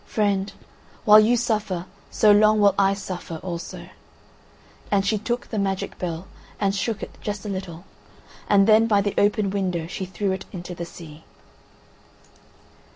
Friend, while you suffer, so long will I suffer also." And she took the magic bell and shook it just a little, and then by the open window she threw it into the sea.